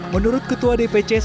menurut ketua dpc